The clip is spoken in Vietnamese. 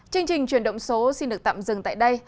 chương trình chuyển động số xin được tạm dừng tại đây